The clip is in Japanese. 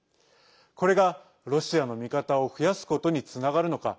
これが、ロシアの味方を増やすことにつながるのか